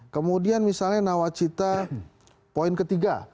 kemudian misalnya nawacita poin ketiga